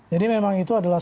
jadi memang itu adalah